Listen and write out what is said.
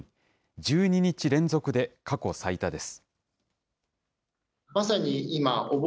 １２日連続で過去最多です。